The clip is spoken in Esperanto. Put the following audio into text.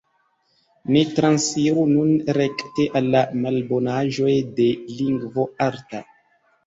Ni transiru nun rekte al la malbonaĵoj de lingvo arta.